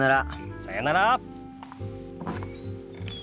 さよなら。